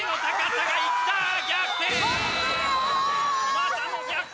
またも逆転！